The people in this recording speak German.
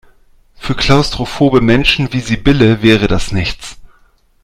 Für klaustrophobe Menschen wie Sibylle wäre das nichts.